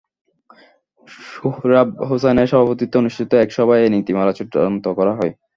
সোহরাব হোসাইনের সভাপতিত্বে অনুষ্ঠিত এক সভায় এ নীতিমালা চূড়ান্ত করা হয়।